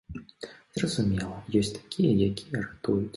Зразумела, ёсць такія, якія ратуюць.